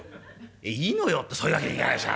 「いいのよってそういう訳にいかないでしょ。